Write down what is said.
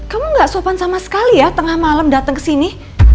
kamu gak sopan sama sekali ya tengah malam dateng kesini